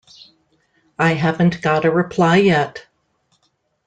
I haven't got a reply yet.